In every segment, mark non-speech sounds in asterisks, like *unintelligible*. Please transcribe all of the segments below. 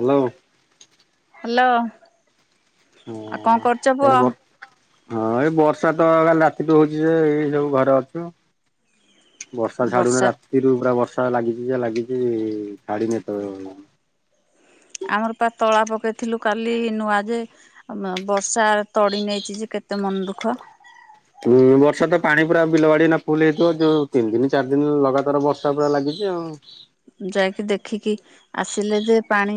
Hello. Hello. ଆଉ ହଁ କଣ କରୁଛ ଇଆଡ଼େ ପୁଅ? ବ ହଁ ଏଇ ବର୍ଷା ତ କାଲି ରାତିଠୁ ହଉଛି ଯେ ଏଇ ସବୁ ଘରେ ଅଛୁ ଆଉ। ବର୍ଷା ଛାଡୁନି ରାତିରୁ ପୁରା ବର୍ଷା ଲାଗିଛି ଯେ ଲାଗିଛି ଛାଡିିନି ଏ ତେବେଳ ପର୍ଯ୍ୟନ୍ତ। ଆମର ପା ତଳା ପକେଇଥିଲୁ କାଲି ନୂଆ ଯେ ଆ ମ ବର୍ଷା ତଡି ନେଇଛି ଯେ କେତେ ମନ ଦୁଃଖ। ହୁଁ ବର୍ଷା ତ ପାଣି ପୁରା ବିଲ ବାଡି ଏଇନା ଫୁଲ୍ ହେଇଯାଇଥିବ। ଯୋଉ ତିନି ଦିନ ଚାରି ଦିନ ଲଗାତାର ବର୍ଷ ର୍ଷା ପୁରା ଲାଗିଛି ଆଉ। ଯାଇକି ଦେଖିକି ଆସିଲେ ଯେ ପାଣି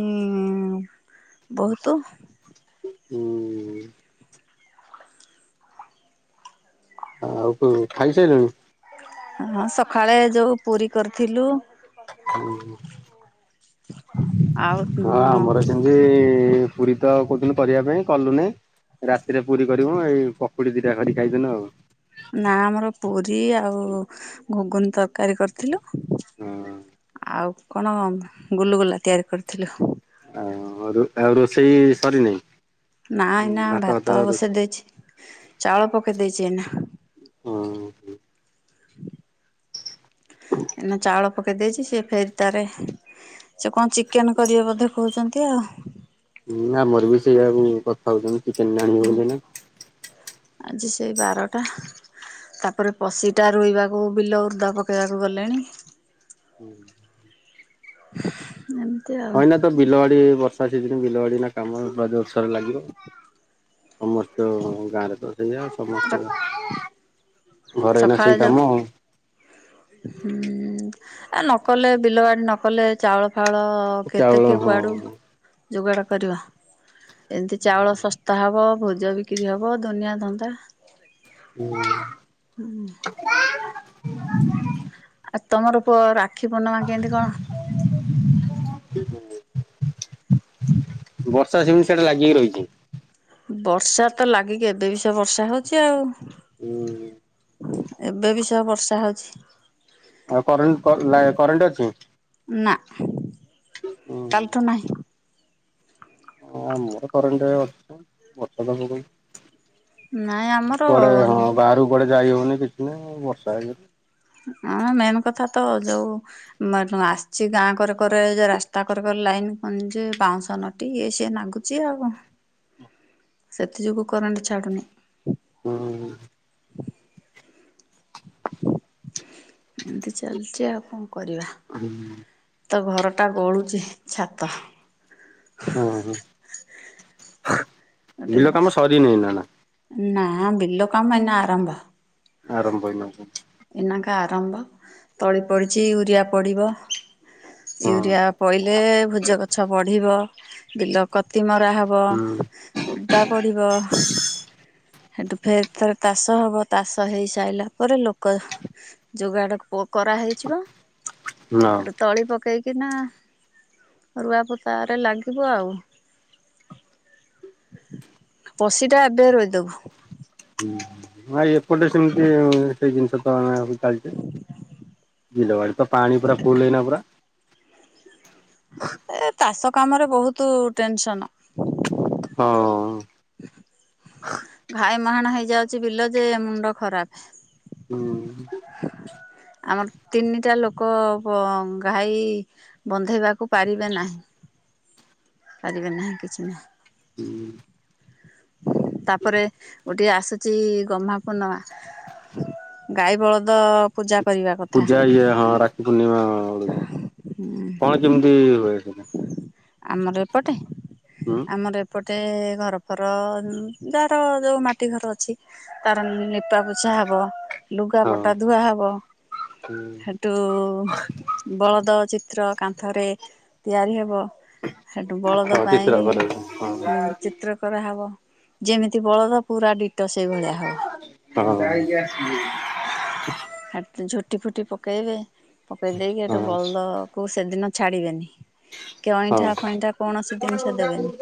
ବହୁତ। ହୁଁଉଁ। ଆଉ କଣ ଖାଇସାରିଲୁଣି? ହଁ ସକାଳେ ଯୋଉ ପୁରୀ କରିଥିଲୁ। ଆଉ ତୁମ ସେ ପୁରୀ ତ କହୁଥିଲୁ କରିବା ପାଇଁ କଲୁନେଇଁ? ରାତିରେ ପୁରୀ କରିବୁ ଏଇ ପକୁଡି ଦିଟା କରି ଖାଇଦେନୁ ଆଉ। ନା ଆମର ପୁରୀ ଆଉ ଘୁଗୁନି ତରକାରୀ କରିଥିଲୁ। ହଁ ଆଉ କଣ ଗୁଲୁଗୁଲା ତିଆରି କରିଥିଲୁ। ଆ ଆଉ ରୁ ରୋଷେଇ ସରିନି ନାଁ ଏଇନା ଭାତ ବସେଇ ଦେଇଛି ଚାଉଳ ପକେଇ ଦେଇଛି ଏଇନା ହୁଁ। ଏନା ଚାଉଳ ପକେଇ ଦେଇଛି ସେ ଫେର ତାରେ ସେ କଣ ଚିକେନ କରିବେ ବୋଧେ କହୁଛନ୍ତି ଆଉ। ହୁଁ ଆମର ବି ସେଇଆକୁ କଥା ହଉଛନ୍ତି ଚିକେନ ଆଣିବୁ ବୋଲି ଏହିନା। ଆଜି ସେଇ ବାରଟା। ତାପରେ ପଶିଟା ରୋଇବାକୁ ବିଲ ଉଦା ପକାଇବାକୁ ଗଲେଣି। ହୁଁ। ଏମିତି ଆଉ। ହଇନା ତ ବିଲବାଡି ବର୍ଷା ସିଯିନି ବିଲବାଡି ନା କାମ ଜୋର୍ ସୋର୍ ରେ ଲାଗିବ। ସମସ୍ତ ଗାଁରେ ତ ସେଇଆ ଆଉ ସମସ୍ତେ ଘରେ ଏଇନା ସକାଳେ ସେଇ ଯୋଉ କାମ ଆଉ। ହୁଁ ଆ ନ କଲେ ବିଲ ବାଡି ନକଲେ ଚାଉଳ ଫାଉଳ ହଉ କେତେ ଚାଉଳ କିଏ ହଁ କୁଆଡ଼ୁ ଯୋଗାଡ଼ କରିବ ଏମିତି ଚାଉଳ ଶସ୍ ତା ହବ ଭୋଜ ବିକ୍ରି ହବ ଦୁନିଆ ଧନ୍ଦା। ହୁଁ। ହୁଁ। ଆଉ ତମର ପୁଅ ରାକ୍ଷୀ ପୂର୍ଣ୍ଣିମା କେମିତି କଣ? *unintelligible* ବର୍ଷା ସେମିତି ସିଆଡେ ଲାଗିକି ରହିଛି। ବର୍ଷା ତ ଲାଗିକି ଏବେ ବି ସେ ବର୍ଷା ହଉଛି ଆଉ। ହୁଁ। ଏବେ ବି ସେ ବର୍ଷା ହଉଛି। ଆଉ କରେଣ୍ଟ, କ ଲା କରେଣ୍ଟ ଅଛି? ନା ହୁଁ କାଲିଠୁ ନାହିଁ,। ହଁ ଆମର କରେଣ୍ଟ ଅଛ ଦବ କଣ? ନାଇଁ ଆମର ଗ କୁଆଡ଼େ ଯାଇହଉନି କିଛି ନାହିଁ ବର୍ଷା ହେଇଯାଉ ଆମର ମେନ୍ କଥା ତ ଯୋଉ ଆସିଛି ଗାଁ କରେ କରେ ରାସ୍ତା କରେ କରେ ଲାଇନ ଯେ ବାଉଁଶ ନଟି ଇଏ ସିଏ ନାଗୁ ଚି ଆଉ କଣ ସେଥି ଯୋଗୁ କରେଣ୍ଟ ଛାଡୁନି। ହୁଁ ଉ। ଏମିତି ଚାଲିଛି ଆଉ କଣ କରିବା। *unintelligible* ତ ଘରଟା ଗଳୁଛି ଛାତ। ହଁ ହଁ ଗୋଟେ ବିଲ କାମ ସରିନି ନା ନା। ନା ବିଲ କାମ ଏଇନା ଆରମ୍ଭ। ଆରମ୍ଭ ହୋଇନଥିବା। ଏଇନାକେ ଆରମ୍ଭ ତଳି ପଡିଛି ୟୁରିଆ ପଡିବ ହଁ ୟୁରିଆ ପଡିଲେ ଭୁଜ ଗଛ ବଢିବ ବିଲ କତି ମରା ହବ। ହୁଁ ଓଦା ପଡିବ। ହେଠୁ ଫେର୍ ଥରେ ତାଷ ହବ ତାଷ ହେଇସାରିଲା ପରେ ଲୋକ ଯୋଗାଡ଼ କରା ହେଇଚି ପା। ନାଁ ତଳି ପକେଇକି ନା ରୁଆ ପୋତାରେ ଲାଗିବୁ ଆଉ। ପଶି ଟା ଏବେ ରୋଇଦବୁ। ଭାଇ ଏପଟେ ସେମିତି ସେଇ ଜିନିଷ ତ ଚାଲିଛି। *unintelligible* ତ ପାଣି ପୁରା ଫୁଲ୍ ଏଇନା ପୁରା। ଏ ଚାଷ କାମରେ ବହୁତ ଟେନସନ। ହଁ ଘାଇ ମୁହାଣ ହେଇଯାଉଚି ବିଲଯେ ମୁଣ୍ଡ ଖରାପ। ହୁଁ *inaudible* ଆମର ତିନିଟା ଲୋକ ଘାଇ ବନ୍ଧେଇବାକୁ ପାରିବେ ନାହିଁ। ପାରିବେ ନାହିଁ କିଛି ନାହିଁ। ହୁଁ ତାପରେ ଗୋଟିଏ ଆସୁଛି ଗହ୍ମା ପୂର୍ଣିମା। ଗାଈ ବଳଦ ପୂଜା କରିବା। କଥା ପୂଜା ଇଏ ହବ ରାକ୍ଷୀ ପୂର୍ଣିମା ବେଳକୁ କଣ କେମିତି ହୁଏ ସେଟା? ଆମର ଏପଟେ ହୁଁ ଆମର ଏପଟେ ଘରଫର ଯାର ଯୋଉ ମାଟି ଘର ଅଛି ତାର ନିପା ପୋଛା ହବ। ଲୁଗା ହଁ ପଟା ଧୁଆ ହବ। ସେଠୁ ବଳଦ ଚିତ୍ର କାନ୍ଥରେ ତିଆରି ହବ। ସେଠୁ ବଳଦ ହଁ ପାଇଁ ଚିତ୍ର କରାଯାଏ ହଁ ହୁଁ ଚି ଚିତ୍ର କରା ହବ। ଯେମିତି ବଳଦ ପୁରା ଡିଟୋ ସେଇଭଳିଆ ହବ। ହଁ କାହିଁକି ଆସିବୁ? ଝୋଟି ଫୋଟି ପକେଇବେ, ପକେଇ ଦେଇକି ହେଟୁ ବଳଦ କୁ ସେଦିନ ଛାଡିବେନି, କି ଅଇଁଠା ଫଇଁଠା କୌଣସି ଜିନିସ ଦେବେନି।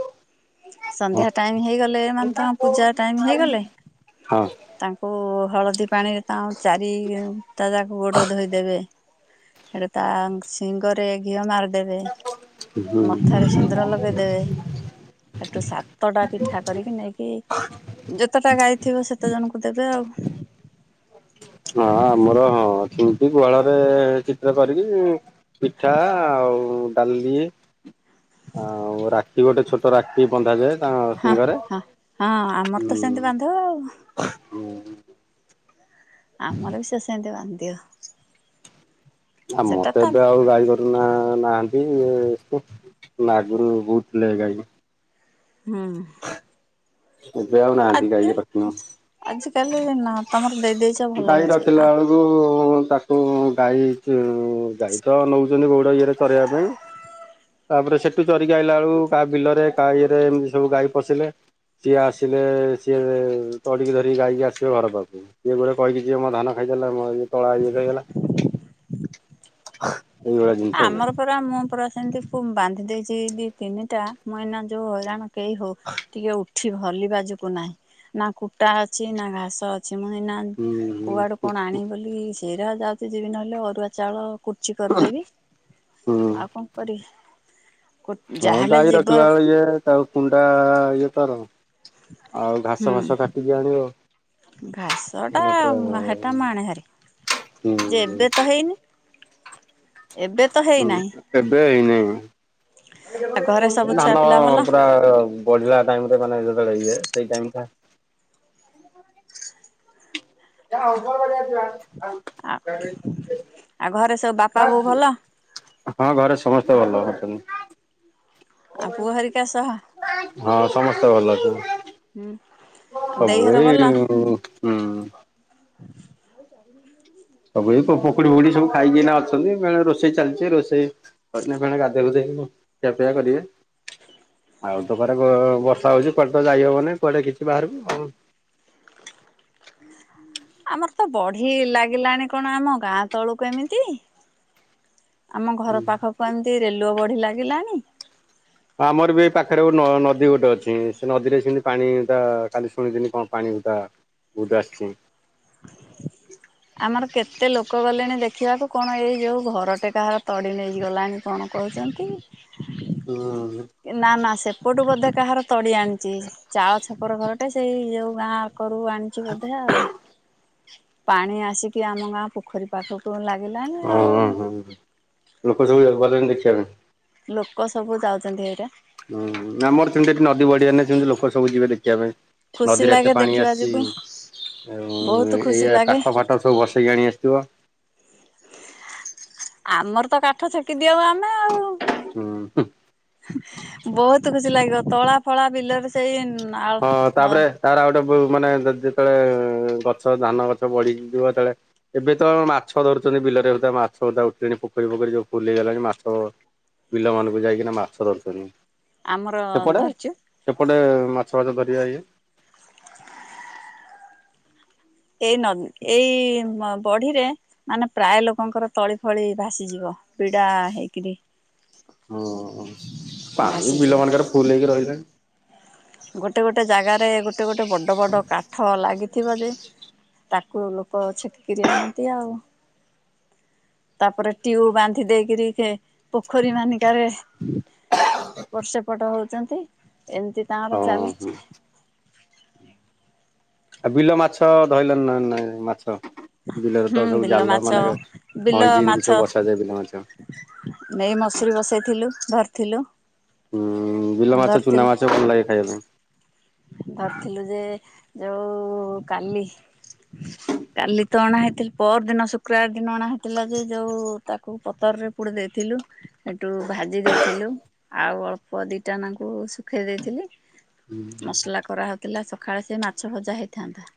ସନ୍ଧ୍ୟା ଟାଇମ ହେଇଗଲେ, ମାନେ ତାଙ୍କ ପୂଜା ଟାଇମ ହେଇଗଲେ ହଁ ତା ଓ ହଳଦୀ ପାଣିରେ ତାଙ୍କ ଚାରିଟା ଜାକ ଗୋଡ଼ ଧୋଇଦେବେ। ସେଠୁ ତା ଶିଙ୍ଗରେ ଘିଅ ମାରିଦେବେ ହୁଁ ହଁ ମଥାରେ ସିନ୍ଦୁର ଲଗେଇଦେବେ, ସେଠୁ ସାତଟା ପିଠା କରିକି ନେଇକି ଯେତେଟା ଗାଈ ଥିବ ସେତେ ଜଣଙ୍କୁ ଦେବେ ଆଉ ହଁ ଆମର ହଁ ସେମତି ଗୁହାଳରେ ଚିତ୍ର କରିକି ପିଠା ଆଉ ଡାଲି ଆଉ ରାକ୍ଷୀ ଗୋଟେ ଛୋଟ ରା କି ବନ୍ଧାଯାଏ ତାଙ୍କ ହଁ ଶିଙ୍ଗରେ ହଁ ହଁ ଆମର ତ ହୁଁ ସେମିତି ବାନ୍ଧିବ ଆଉ ହଁ ଆମର ବି ସେ ସେମିତି ବାନ୍ଧିଅ। ଆଉ ମତେ ଏବେ ଆଉ ଗାଈ ନା ନାହାନ୍ତି ଆଗରୁ ବହୁତଥିଲେ ଗାଈ ହଁ ଏବେ ଆଉ ଆ ନାହାନ୍ତି ଗାଈ ରଖିନୁ ଆଜ କାଲି ନା ତମର ଦେଇ ଦେ ଗାଈ ରଖିଲା ବେଳକୁ ତାକୁ ଗାଈ ଗାଈ ତ ନେଉଛନ୍ତି ବଉଡ଼ ଇଏରେ ଚରାଇବା ପାଇଁ ତାପରେ ସେଠୁ ଚରିକି ଆଇଲା ବେଳକୁ କା ବିଲରେ କା ଇଏରେ ଏମିତି ସବୁ ଗାଈ ପଶିଲେ। ସିଏ ଆସିଲେ ସିଏ ତଡ଼ିକି ଧରିକି ଗାଇକି ଆସିବେ ଘର ପାଖକୁ ଇଏ ଗୋଟେ କହିକି ଯଏ ମୋ ଧାନ ଖାଇଦାରଲା ମୋ ଇଏ ତଳା ଇଏ ହେଇଗଲା। ଏଇ ଭଳିଆ ଜିନିଷ ହୁଏ। ପୁରା ମୁଁ ପୁରା ସେମିତି ବାନ୍ଧି ଦେଇଛି ଦି ତିନିଟା ମଇନା ଯୋଉ ହଇରାଣ କେହି ହଉ ଟିକେ ଉ ଏଠି ଭଲ ବାଜକୁ ନାହିଁ ନା କୁଟା ଅଛି ନା ଘାସ ଅଛି ମୁଁ ଇନା ହୁଁ କୁଆଡୁ ହୁଁ କଣ ଆଣ ବୋଲି ସେଇଟା ଯାଉଛି ଯିବି ନହେଲେ ଅରୁଆ ଚାଉଳ କୁର୍ଚି କରିଦେବି। ହୁଁ ଆଉ କଣ କରି ହଁ ଗାଈ ରଖିଲା ବେଳଳେ ଇଏ ତାଉ କୁଣ୍ଡା ଇଏ କର ଆଉ ହୁଁ ଘାସ ଫାସ କାଟିକି ଆଣିବ। ଘାସ ଟା ମାନେ ପୁରା ହେଟା ମାଣ ହାରି ହୁଁ ଯେ ଏବେ ତ ହେଇନି ଏବେ ତ ହଁ ହେଇନାହିଁ ଏବେ ହେଇନି ଆଉ ଘରେ ସବୁ ଛୁଆ ଧାନ ପିଲା ଭଲ ପୁରା ବଢ଼ିଲା ଟାଇମରେ ମାନେ ଯେତେବେଳେ ଇଏ ସେଇ ଟାଇମ ଟା ଯ ହଉ ବଆଛ ଆଉ ଆ ଆଉ ଘରେ ସବୁ ବାପା ବୋଉ ଭଲ। ହଁ ଘରେ ସମସ୍ତେ ଭଲ ହେଛନ୍ ଆଉ ପୁଅ ହାରିକା ସହ ହଁ ସମସ୍ତେ ଭଲ ଅଛନ୍ତି। ହୁଁ। ଆଉ ଦେଇ ସବୁ ଘର ଭଲ ଏଇ ହ ହୁଁ। *unintelligible* ସବୁ ଏଇ ପୋକୁଡି ଫୁଡି ସବୁ ଖାଇକିନା ଅଛନ୍ତି ରୋଷେଇ ଚାଲିଛି ରୋଷେଇ କ କ ଗାଧୋଇୁଧେଇ ଖିଆପିଆ କରିବେ। ଆଉ ତ ଘରେ ବର୍ଷା ହଉଛି କୁଆଡେ ତ ଯାଇ ହବନିଁ କୁଆଡେ କିଛି ବାହାରକୁ କଣ *unintelligible* ଆମର ତ ବଢି ଲାଗିଲାଣି କଣ ଆମ ଗାଁ ତଳକୁ ଏମିତି ଆମ ଘର ପାଖକୁ ଏମିତି ରେଲୁଅ ବଢି ଲାଗିଲାଣି ଆମର ବି ଏ ପାଖରେ ଗୋଟ ନଦୀ ଗୋଟେ ଅଛି ସେ ନଦୀରେ ସେମିତି ପାଣି କାଲି ଶୁଣିଦିନି କଣ ପାଣିକୁ ତା ଉଦା ସିଂ ଆମର କେତେ ଲୋକ ଗଲେଣି ଦେଖିବାକୁ କଣ ଏଇ ଯେଉଁ ଘରଟେ କାହାର ତଡ଼ି ନେଇଗଲାଣି କଣ କହୁଛନ୍ତି? ହୁଁ। ନା ନା ସେପଟୁ ବୋଧେ କାହାର ତଡ଼ି ଆଣିଛି ଚାଳ ଛପର ଘରଟେ ସେଇ ଯେଉଁ ଗାଁ କରୁ ଆଣିଛି ବୋଧେ ଆଉ। ପାଣି ଆସିକି ଆମ ଗାଁ ପୋଖରୀ ପାଖକୁ ଲାଗିଲାଣି ହଁ ଆଉ। ହଁ ଲୋକ ସବୁ ଗଲେଣି ଦେଖିବା ପାଇଁ ଲୋକ ସବୁ ଯାଉଛନ୍ତି ଏଇଟା ହୁଁ ଆମର ସେମିତି ଏଠି ନଦୀ ବଢ଼ି ହେନେ ସେମିତି ସବୁ ଯିବେ ଦେଖିବା ପାଇଁ ଖୁସି ନଦୀରେ ଲାଗେ ଏତେ ପାଣି ଦେଖିବା ଯୋଗୁ ଆସିଛି ବହୁତ ଆଉ ଖୁସି ଏଇଆ ଲାଗେ। କାଠ ଫାଟ ଟ ସବୁ ବସେଇକି ଆଣି ଆସିଥିବ। ଆମର ତ କାଠ ଛେକି ଦିଅଉ ଆମେ ଆଉ ହୁଁ ହୁଁ ବହୁତ ଖୁସି ଲାଗିବ ତଳା ଫଳା ବିଲରେ ସେଇ ନା ହଁ ତାପରେ ତାର ଆଉ ଗୋଟେ ମାନେ ଯେତେବେଳେ ଗଛ ଧାନ ଗଛ ବଢିଯିବ ଯେତେବେଳେ ଏବେ ତ ମାଛ ଧରୁଛନ୍ତି ବିଲରେ ମାଛଧା ଉଠିଲଣି ପୋଖରୀ ପୋଖରୀ ଯୋଉ ଫୁଲ ହେଇଗଲାଣି ମାଛ ବିଲମାନଙ୍କୁ ଯାଇକିନା ମାଛ ଧରଛନ୍ତି। ଆମର ଧରିଛୁ। ଏପଟେ ମାଛ ଫାଛ ଧରିବା ଇଏ ଏଇ ନଦ୍ ଏଇ ବଢିରେ ମାନେ ପ୍ରାୟ ଲୋକଙ୍କର ତଳି ଫଳି ଭାସିଯିବ ପିଡା ହେଇକିରି ହଁ ପାଣି ଭାସିଯିବ। ବିଲମାନଙ୍କରେ ଫୁଲ ହେଇକି ରହିଲାଣି। ଗୋଟେ ଗୋଟେ ଜାଗାରେ ଗୋଟେ ଗୋଟେ ବଡ଼ ବଡ଼ କାଠ ଲାଗିଥିବ ଯେ ତାକୁ ଲୋକ ଛିଟକିରି ଆଣନ୍ତି ଆଉ ତାପରେ ଟ୍ୟୁବ ବାନ୍ଧି ଦେଇକରି ପୋଖରୀ ମାନେଙ୍କେରେ *inaudible* ଏପଟ ସେପଟ ହଉଛନ୍ତି ଏମିତି ତାଙ୍କର ହଁ ହଁ ଚାଲିଛି। ଆଉ ବିଲ ମାଛ ଧରିଲ ନ ନାଇ ମାଛ? ବିଲରେ ହୁଁ ତ ସବୁ ବିଲ ଜାଲ ମାଛ ମାନେ ବିଲ ହଇଁଜି ଏମିତି ମାଛ ସବୁ ବସାଯାଏ ବିଲ ମାଛ। ନେଇ ମସୁରୀ ବସେଇଥିଲୁ ଧରିଥିଲୁ। ଉଁ ବିଲ ମାଛ ଚୁନା ଧରିଥିଲୁ ମାଛ ଭଲ ଲାଗେ ଖାଇବା ପାଇଁ। ଧରିଥିଲୁ ଯେ ଯୋଉ କାଲି କାଲି ତ ଅଣା ହେଇଥିଲ ପର ଦିନ ଶୁକ୍ରବାର ଦିନ ଅଣା ହେଇଥିଲା ଯେ ଯୋଉ ତାକୁ ପତରରେ ପୋଡ଼ି ଦେଇଥିଲୁ। ସେଠୁ ଭାଜି ଦେଇଥିଲୁ ଆଉ ଅଳ୍ପ ଦିଟାନାଙ୍କୁ ଶୁଖେଇ ଦେଇଥିଲି। ପାଇଁ ମସଲା କରାହଉଥିଲା ସକାଳେ ସେ ମାଛ ଭଜା ହେଇଥାନ୍ତା।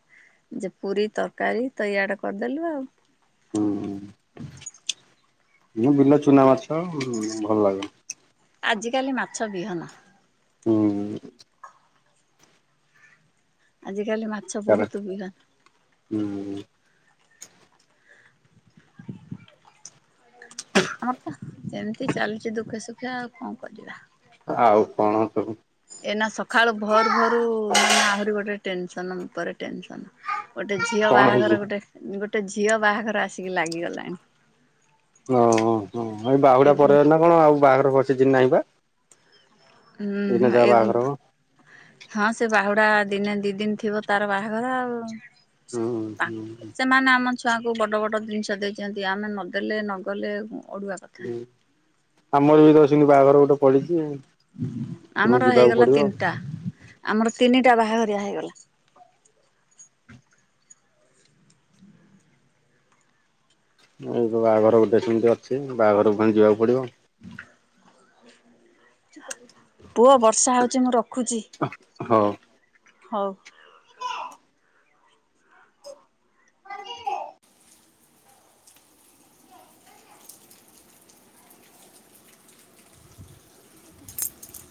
ଯେ ପୁରୀ ତରକାରୀ ତ ଇଆଡ଼େ କରିଦେଲୁ ଆଉ। ହୁଁ। ମୁଁ ବିଲ ଚୁନା ମାଛ ଅ ଭଲ ଲାଗେ। ଆଜିକାଲି ମାଛ ବିହନ ହୁଁ। ଆଜିକାଲି ମାଛ ତାର ବହୁତ ବିହନ। ହୁଁ। ଆମର ତ ଯେମିତି ଚାଲିଛି ଦୁଃଖେ ସୁଖେ ଆଉ କଣ କରିବା। ଆଉ କଣ ସବୁ? ଏନା ସକାଳୁ ଭର ଭରୁ ମାନେ ଆହୁରି ଗୋଟେ ଟେନସନ ଉପରେ ଟେନସନ ଗୋଟେ ଝି ଝିଅ କଣ ହେଇଛି? ବାହାଘର ଗୋଟେ ଗୋଟେ ଝିଅ ବାହାଘର ଆସିକି ଲାଗିଗଲାଣି। ଓ ହୋ ଏଇ ଏ ବାହୁଡା ଗୁ ପରେ ନା କଣ ଆଉ ବାହାଘର ସିଜିନ୍ ନାହିଁ ବା ଏଇନା ହୁଁ ଏ ଯାହା ବାହାଘର ହବ। ହଁ ସେ ବାହୁଡା ଦିନେ ଦି ଦିନ ଥିବ ତାର ବାହାଘର ଆଉ। ହୁଁ ତାଙ୍କ ହୁଁ ସେମାନେ ଆମ ଛୁଆଙ୍କୁ ବଡ଼ ବଡ଼ ଜିନିଷ ଦେଇଛନ୍ତି ଆମେ ନଦେଲେ ନଗଲେ ଅଡୁଆ ହୁଁ ଆମର ବି ତ ସିନ୍ତି ବାହାଘର ଗୋଟେ ପଡିଛି। ସେମିତି ଆମର ଯିବାକୁ ହେଇଗଲା ପଡିବ। ତିନିଟା ଆମର ତିନିଟା ବାହାଘରିଆ ହେଇଗଲା। ଏଇ ବାହାଘର ଗୋଟେ ସେମିତି ଅଛି ବାହାଘର ପୁଣି ଯିବାକୁ ପଡିବ। ପୁଅ ବର୍ଷା ହଉଛି ମୁଁ ରଖୁଛି। ହଉ। ହଉ।